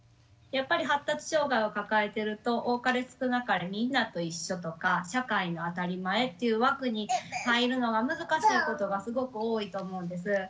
やっぱり発達障害を抱えてると多かれ少なかれみんなと一緒とか社会の当たり前という枠に入るのが難しいことがすごく多いと思うんです。